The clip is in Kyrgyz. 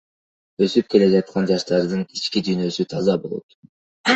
Өсүп келе жаткан жаштардын ички дүйнөсү таза болот.